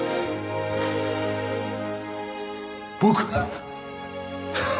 僕が？